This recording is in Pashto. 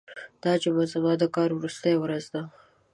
دا جمعه زما د کار وروستۍ ورځ ده.